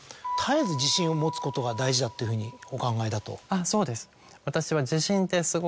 あっそうです私は。